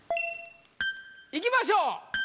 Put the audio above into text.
いきましょう